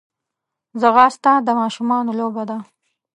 ځغاسته د ماشومانو لوبه ده